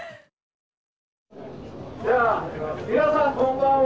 じゃあ皆さんこんばんは。